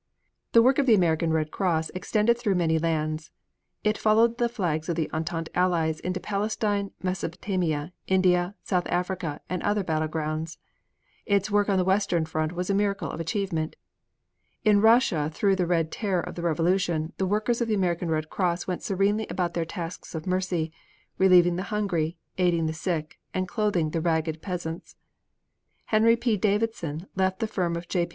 The work of the American Red Cross extended through many lands. It followed the flags of the Entente Allies into Palestine, Mesopotamia, India, South Africa, and other battle grounds. Its work on the western front was a miracle of achievement. In Russia through the Red Terror of the Revolution the workers of the American Red Cross went serenely about their tasks of mercy, relieving the hungry, aiding the sick, and clothing the ragged peasants. Henry P. Davidson left the firm of J. P.